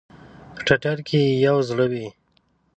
په ټټر کې ئې یو زړه وی